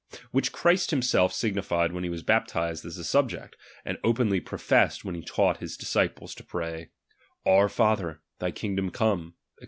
Which Christ himself signified when he was baptized as a subject, and openly professed when he taught his disciples to pray, Onr Father, thy kingdom come, &c.